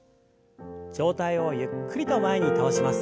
上体をゆっくりと前に倒します。